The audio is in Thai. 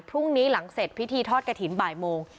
พรุ่งนี้หลังเสร็จพิธีทอดกระถิ่นบ่ายโมง